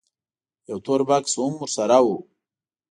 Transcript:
یو تور بکس هم ورسره و.